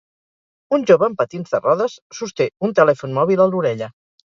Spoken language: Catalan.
Un jove amb patins de rodes sosté un telèfon mòbil a l'orella.